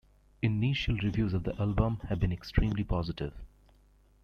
Initial reviews of the album have been extremely positive.